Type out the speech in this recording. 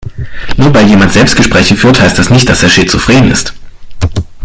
Nur weil jemand Selbstgespräche führt, heißt nicht, dass er schizophren ist.